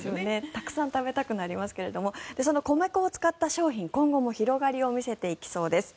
たくさん食べたくなりますが米粉を使った商品、今後も広がりを見せていきそうです。